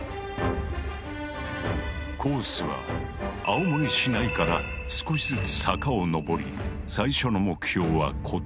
コースは青森市内から少しずつ坂を上り最初の目標は小峠。